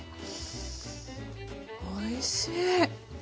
おいしい！